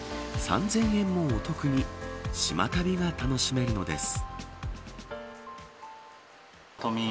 ３０００円もお得に島旅が楽しめるのです。